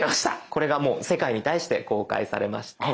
これがもう世界に対して公開されました。